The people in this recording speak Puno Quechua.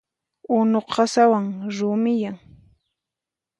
Unu qasawan rumiyan.